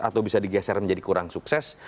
atau bisa digeser menjadi kurang sukses